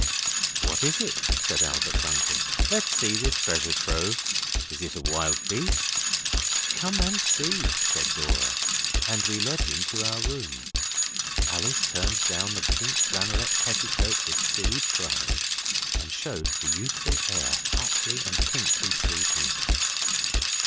'What is it?' said Albert's uncle. 'Let's see this treasure trove. Is it a wild beast?' 'Come and see,' said Dora, and we led him to our room. Alice turned down the pink flannelette petticoat with silly pride, and showed the youthful heir fatly and pinkly sleeping.